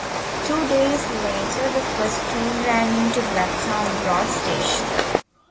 Two days later the first train ran into Black Town Road station.